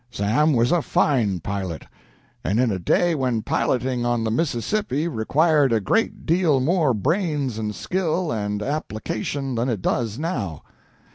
Sam was a fine pilot, and in a day when piloting on the Mississippi required a great deal more brains and skill and application than it does now.